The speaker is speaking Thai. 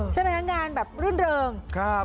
ใช่มั๊ยคะงานแบบรุ่นลง